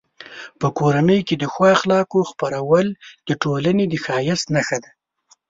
په کورنۍ کې د ښو اخلاقو خپرول د ټولنې د ښایست نښه ده.